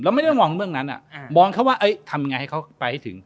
เราไม่ต้องหวังเรื่องนั้นอะมองเขาว่าเอ๊ะทำยังไงให้เขาไปให้ถึง